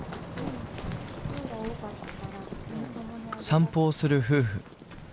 散歩をする夫婦。